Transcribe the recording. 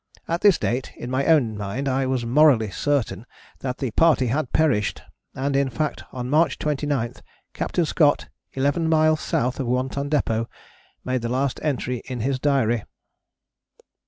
At this date in my own mind I was morally certain that the party had perished, and in fact on March 29 Captain Scott, 11 miles south of One Ton Depôt, made the last entry in his diary."